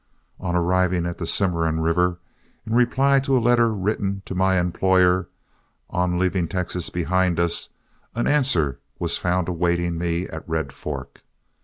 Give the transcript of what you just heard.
On arriving at the Cimarron River, in reply to a letter written to my employer on leaving Texas behind us, an answer was found awaiting me at Red Fork.